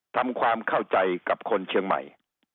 ทำความเข้าใจกับคนเชียงใหม่